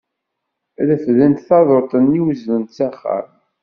Refdent taduṭ-nni uzlent s axxam.